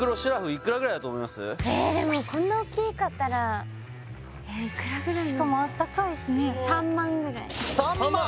でもこんな大きかったらえーいくらぐらいしかもあったかいしね３万ぐらい３万！？